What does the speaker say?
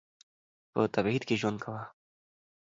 په تبعید کې ژوند کاوه.